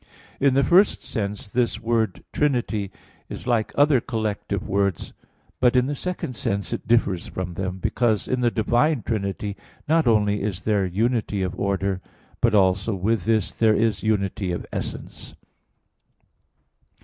In the first sense, this word "trinity" is like other collective words; but in the second sense it differs from them, because in the divine Trinity not only is there unity of order, but also with this there is unity of essence.